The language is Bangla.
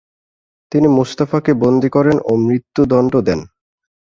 তিনি মুস্তাফাকে বন্দী করেন ও মৃত্যুদন্ড দেন।